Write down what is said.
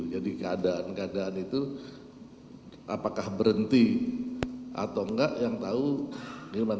jadi keadaan keadaan itu apakah berhenti atau enggak yang tahu ilman